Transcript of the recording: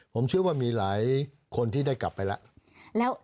ผมเชื่อว่ามีหลายคนที่ได้กลับไปแล้ว